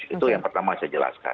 itu yang pertama saya jelaskan